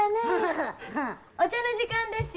お茶の時間ですよ。